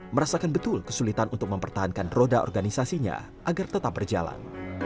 merasakan betul kesulitan untuk mempertahankan roda organisasinya agar tetap berjalan